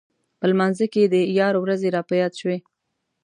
په لمانځه کې د یار ورځې راپه یاد شوې.